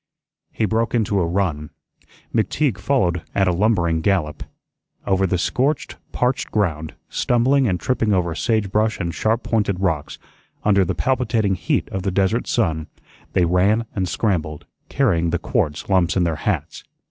He broke into a run. McTeague followed at a lumbering gallop. Over the scorched, parched ground, stumbling and tripping over sage brush and sharp pointed rocks, under the palpitating heat of the desert sun, they ran and scrambled, carrying the quartz lumps in their hats.